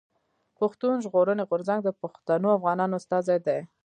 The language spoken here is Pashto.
پښتون ژغورني غورځنګ د پښتنو افغانانو استازی دی.